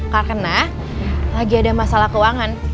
karena lagi ada masalah keuangan